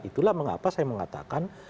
itulah mengapa saya mengatakan